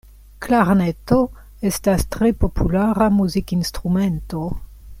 Klarneto estas tre populara muzikinstrumento.